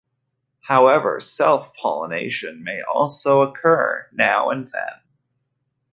However self-pollination may also occur now and then.